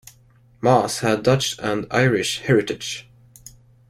Maas had Dutch and Irish heritage.